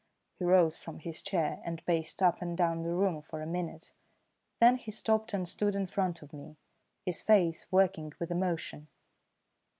He rose from his chair and paced up and down the room for a minute; then he stopped and stood in front of me, his face working with emotion.